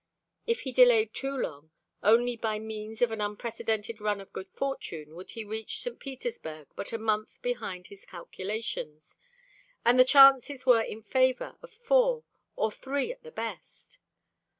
If he delayed too long, only by means of an unprecedented run of good fortune would he reach St. Petersburg but a month behind his calculations. And the chances were in favor of four, or three at the best!